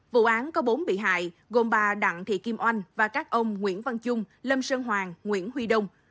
vụ án có bốn bị hại gồm bà đặng thị kim oanh và các ông nguyễn văn trung lâm sơn hoàng nguyễn huy đông